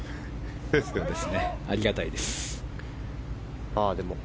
ありがたいです。